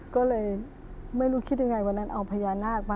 ก็เลยไม่รู้คิดยังไงวันนั้นเอาพญานาคมา